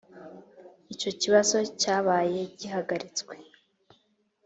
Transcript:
Icyo kibazo cyabaye gihagaritswe